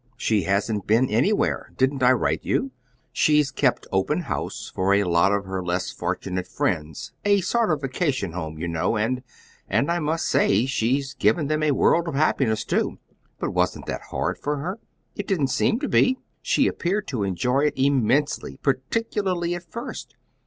"She hasn't been anywhere. Didn't I write you? She's kept open house for a lot of her less fortunate friends a sort of vacation home, you know; and and I must say she's given them a world of happiness, too." "But wasn't that hard for her?" "It didn't seem to be. She appeared to enjoy it immensely, particularly at first.